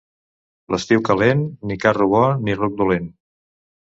L'estiu calent, ni carro bo ni ruc dolent.